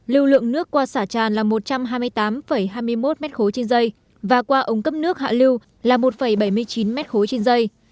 lưu lượng nước qua xả tràn là một trăm hai mươi tám hai mươi một m ba trên dây và qua ống cấp nước hạ lưu là một bảy mươi chín m ba trên dây